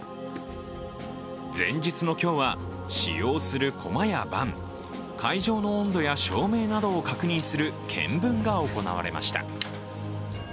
前日の今日は、使用する駒や盤会場の温度や照明などを確認する検分が行われました。